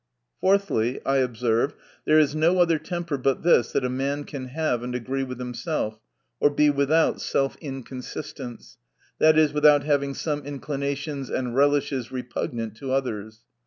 Fourthly, I observe, there is no other temper but this, that a man can have, and agree with himself or be without self inconsistence, i. e., without having some inclinations and relishes repugnant to others.